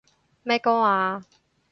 咩歌啊？